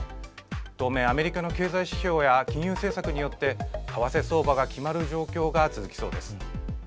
当面、アメリカの経済指標や金融政策によって為替相場が決まる状況が続きそうです。